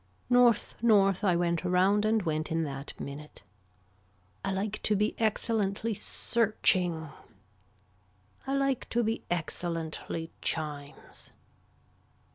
North north I went around and went in that minute. I like to be excellently searching. I like to be excellently chimes.